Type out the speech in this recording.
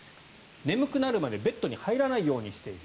眠くなるまでベッドに入らないようにしている。